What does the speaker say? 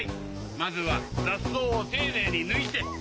まずは雑草を丁寧に抜いて。